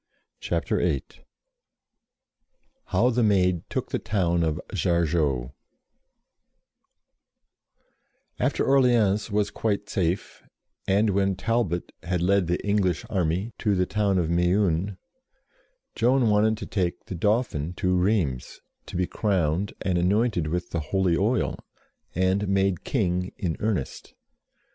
CHAPTER VIII HOW THE MAID TOOK THE TOWN OF JARGEAU AFTER Orleans was quite safe, and when Talbot had led the English army to the town of Meun, Joan wanted to take the Dauphin to Rheims, to be crowned and anointed with the holy oil, and made King in earnest.